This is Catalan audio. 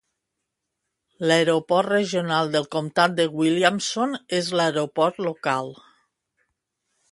L"Aeroport Regional del Comtat de Williamson és l"aeroport local.